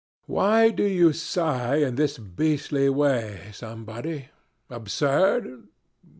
... Why do you sigh in this beastly way, somebody? Absurd?